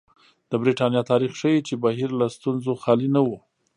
د برېټانیا تاریخ ښيي چې بهیر له ستونزو خالي نه و.